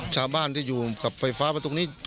ชาวบ้านที่อยู่กับไฟฟ้าไปตรงนี้